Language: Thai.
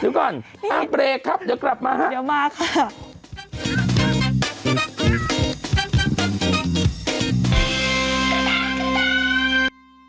เดี๋ยวก่อนอ้าวเปรย์ครับเดี๋ยวกลับมาค่ะนี่นี่อ๋อเดี๋ยวมาคะ